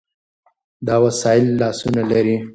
دا وسایل لاسونه لري.